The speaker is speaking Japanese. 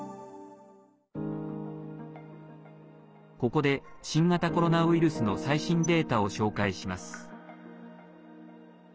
ここで新型コロナウイルスの最新データを紹介します。